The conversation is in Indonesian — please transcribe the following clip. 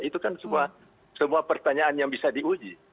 itu kan semua pertanyaan yang bisa diuji